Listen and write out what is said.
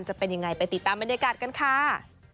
จะเป็นยังไงไปติดตามบรรยากาศกันค่ะ